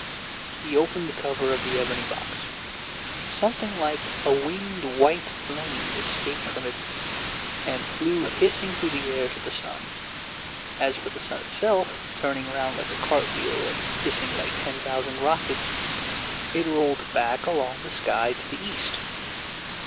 He opened the cover of the ebony box. Something like a winged white flame escaped from it, and flew hissing through the air to the sun. As for the sun itself, turning round like a cartwheel and hissing like ten thousand rockets, it rolled back along the sky to the east.